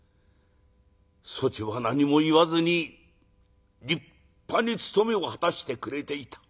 そちは何も言わずに立派に務めを果たしてくれていた。